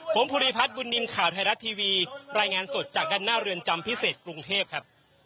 ผมภูริพัฒน์บุญนินทร์ข่าวไทยรัฐทีวีรายงานสดจากด้านหน้าเรือนจำพิเศษกรุงเทพครับ